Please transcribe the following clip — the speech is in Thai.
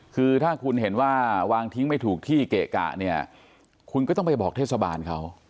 คือถ้าคุณเห็นว่าวางทิ้งไม่ถูกที่เกะกะเนี่ยคุณก็ต้องไปบอกเทศบาลเขา